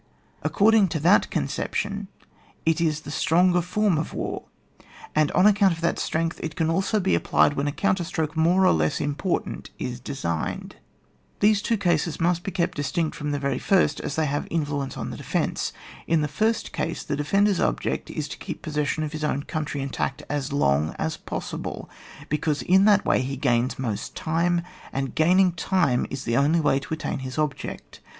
According to that conception it is the stronger form of war, and on account of that strength it can also be applied when a counterstroke more or less im portant is designed. These two cases must be kept distinct from the veiy first, as they have an in fluence on the defence. In the first case, the defender's object is to keep possession of his own country intact as long as possible, because in that way he gains most time; and gaining time is the only way to attain his object.